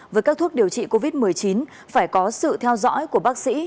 với các thuốc điều trị covid một mươi chín phải có sự theo dõi của bác sĩ